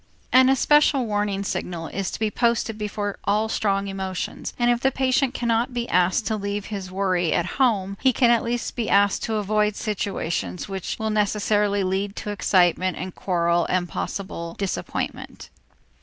An especial warning signal is to be posted before all strong emotions, and if the patient cannot be asked to leave his worry at home, he can at least be asked to avoid situations which will necessarily lead to excitement and quarrel and possible disappointment.